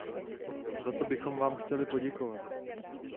Za to bychom vám chtěli poděkovat.